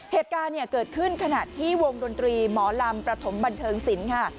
เหตุการณ์เกิดขึ้นขนาดที่วงดนตรีหมอลำประถมบันเทิงสินค่ะ